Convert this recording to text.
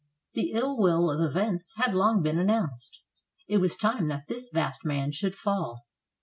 The ill will of events had long been announced. It was time that this vast man should fall.